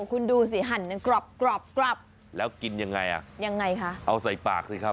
คุณดูสิหันกรอบแล้วกินยังไงยังไงคะเอาใส่ปากสิครับ